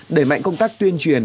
để mạnh công tác tuyên truyền